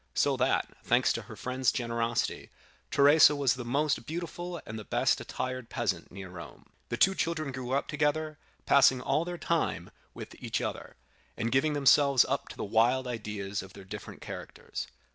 So that, thanks to her friend's generosity, Teresa was the most beautiful and the best attired peasant near Rome. "The two children grew up together, passing all their time with each other, and giving themselves up to the wild ideas of their different characters.